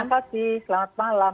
terima kasih selamat malam